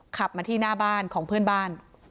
ขับมาที่หน้าบ้านของเพื่อนบ้าน